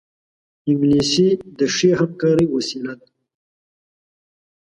انګلیسي د ښې همکارۍ وسیله ده